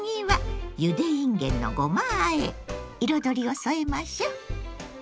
次は彩りを添えましょう。